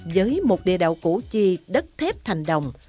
với một địa đạo củ chi đất thép thành đồng